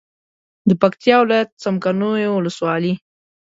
د پکتیا ولایت څمکنیو ولسوالي